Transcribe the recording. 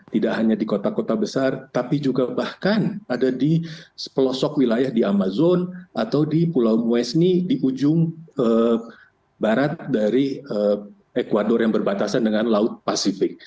tidak hanya di kota kota besar tapi juga bahkan ada di pelosok wilayah di amazon atau di pulau wesni di ujung barat dari ecuador yang berbatasan dengan laut pasifik